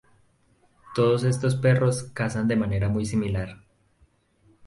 Todos estos perros cazan de manera muy similar.